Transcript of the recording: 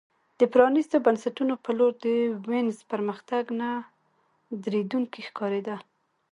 د پرانیستو بنسټونو په لور د وینز پرمختګ نه درېدونکی ښکارېده